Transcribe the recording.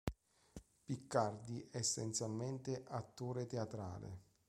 Piccardi è essenzialmente attore teatrale.